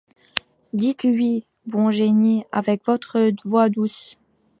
Dites-lui, bon génie, avec votré voix douce